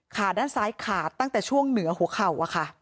ขาด้านซ้ายขาดตั้งแต่ช่วงเหนือหัวเข่า